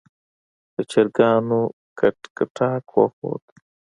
د چرګانو کټکټاک وخوت.